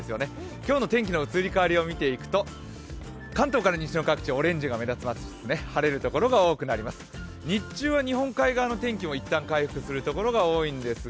今日の天気の移り変わりを見ていくと関東から西の各地、オレンジが目立ちますね。